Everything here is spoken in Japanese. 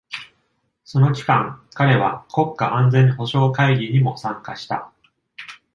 その期間、彼は国家安全保障会議にも参加した。